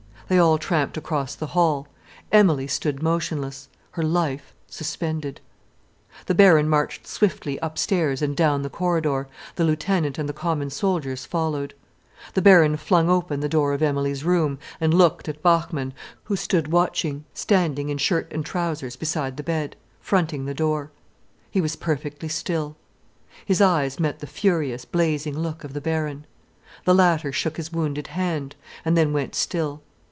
They all tramped across the hall. Emilie stood motionless, her life suspended. The Baron marched swiftly upstairs and down the corridor, the lieutenant and the common soldiers followed. The Baron flung open the door of Emilie's room and looked at Bachmann, who stood watching, standing in shirt and trousers beside the bed, fronting the door. He was perfectly still. His eyes met the furious, blazing look of the Baron. The latter shook his wounded hand, and then went still.